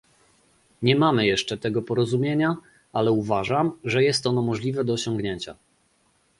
Nie mamy jeszcze tego porozumienia, ale uważam, że jest ono możliwe do osiągnięcia